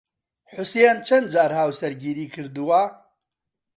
حوسێن چەند جار هاوسەرگیریی کردووە؟